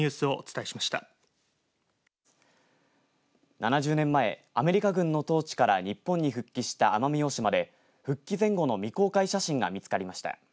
７０年前、アメリカ軍の統治から日本に復帰した奄美大島で復帰前後の未公開写真が見つかりました。